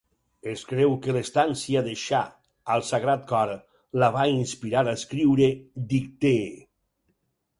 Es creu que l'estància de Cha al Sagrat Cor la va inspirar a escriure "Dictee".